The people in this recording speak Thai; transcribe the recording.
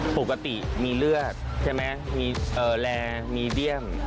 ปกติมีเลือดใช่ไหมมีแรมีเดียม